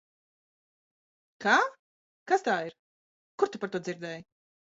Kā? Kas tā ir? Kur tu par to dzirdēji?